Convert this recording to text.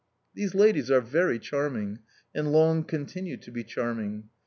These ladies are very charming, and long continue to be charming.